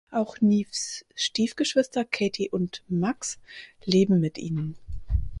Auch Neves Stiefgeschwister Katie und Max leben mit ihnen.